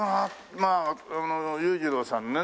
まあ裕次郎さんのね